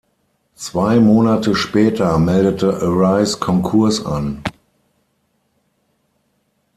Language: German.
Zwei Monate später meldete Arise Konkurs an.